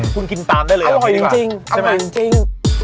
คุณกินตามได้เลยก่อนนี้ดีกว่าใช่ไหมอร่อยจริง